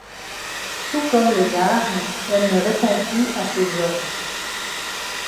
Tout comme le garde, elle ne répond plus à ses ordres.